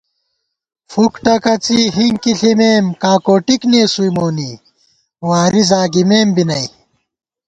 فُک ٹکَڅی ہِنکی ݪِمېم کاکوٹِک نېسُوئی مونی، واری زاگِمېم بی نئ